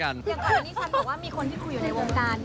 อย่างก่อนอันนี้ฉันบอกว่ามีคนที่คุยอยู่ในวงการ